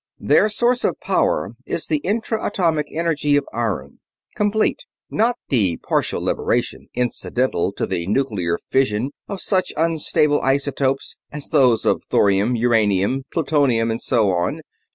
"Their source of power is the intra atomic energy of iron. Complete; not the partial liberation incidental to the nuclear fission of such unstable isotopes as those of thorium, uranium, plutonium, and so on.